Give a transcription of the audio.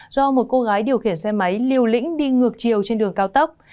do một cô gái điều khiển xe máy liều lĩnh đi ngược chiều trên đường cao tốc